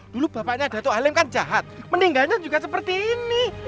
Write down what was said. dulu bapaknya datuk halim kan jahat meninggalnya juga seperti ini